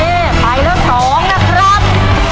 โอเคไปแล้ว๒นะครับ